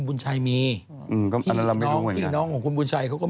คุณจะลงกับคนใครอะก็ไม่คิดเหรอ